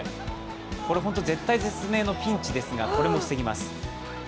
これホント絶体絶命のピンチですがこれも防ぎます。